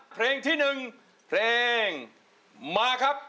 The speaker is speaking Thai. เพลงที่หนึ่งเพลงมาครับ